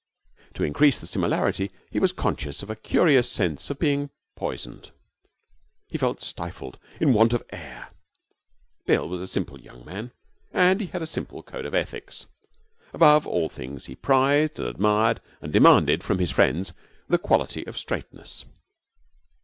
To increase the similarity, he was conscious of a curious sense of being poisoned. He felt stifled in want of air. Bill was a simple young man, and he had a simple code of ethics. Above all things he prized and admired and demanded from his friends the quality of straightness.